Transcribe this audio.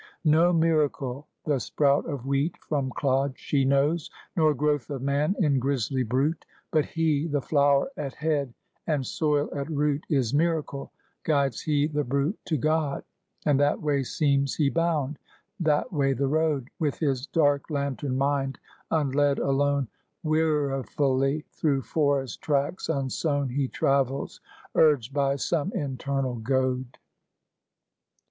No miracle the sprout of wheat from clod, She knows, nor growth of man in grisly brute; But he, the flower at head and soil at root, Is miracle, guides he the brute to God. And that way seems he bound; that way the road, With his dark lantern mind, unled, alone, Wearifully through forest tracts unsown, He travels, urged by some internal goad.